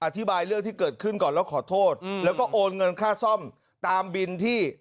เรื่องที่เกิดขึ้นก่อนแล้วขอโทษแล้วก็โอนเงินค่าซ่อมตามบินที่